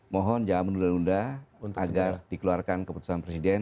mohon jangan menunda nunda agar dikeluarkan keputusan presiden